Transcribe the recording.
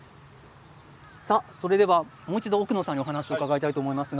それでは、もう一度奥野さんにお話を伺います。